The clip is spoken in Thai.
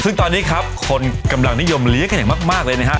ซึ่งตอนนี้ครับคนกำลังนิยมเลี้ยงกันอย่างมากเลยนะครับ